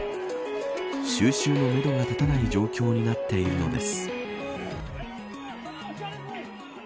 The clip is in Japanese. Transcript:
収拾のめどが立たない状況になっているのです。